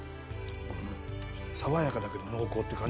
爽やかだけど濃厚って感じ。